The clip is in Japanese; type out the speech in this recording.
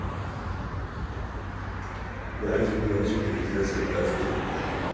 大丈夫大丈夫って言ってるやつほど大丈夫じゃねえんだ